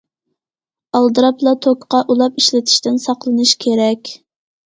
ئالدىراپلا توكقا ئۇلاپ ئىشلىتىشتىن ساقلىنىش كېرەك.